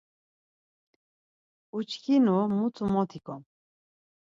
Uçkinu mutu mot ikom.